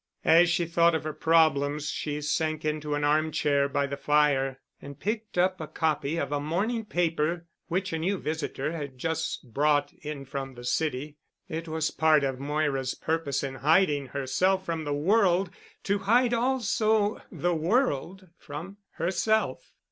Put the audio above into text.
As she thought of her problems she sank into an arm chair by the fire and picked up a copy of a morning paper, which a new visitor had just brought in from the city. It was part of Moira's purpose in hiding herself from the world to hide also the world from herself.